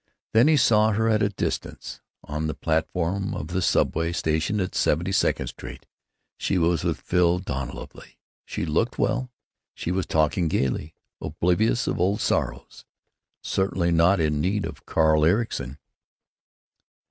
Then he saw her at a distance, on the platform of the subway station at Seventy second Street. She was with Phil Dunleavy. She looked well, she was talking gaily, oblivious of old sorrows, certainly not in need of Carl Ericson.